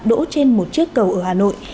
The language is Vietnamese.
đỗ trên một chiếc cầu ở hà nội